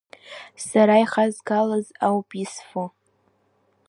Сара ихазгалаз ауп исфо.